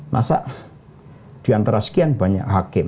masa diantara sekian banyak hakim